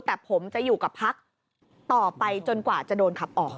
แต่ผมจะอยู่กับพักต่อไปจนกว่าจะโดนขับออก